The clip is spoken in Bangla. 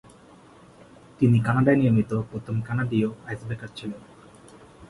তিনি কানাডায় নির্মিত প্রথম কানাডীয় আইসব্রেকার ছিলেন।